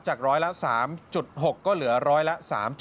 ร้อยละ๓๖ก็เหลือร้อยละ๓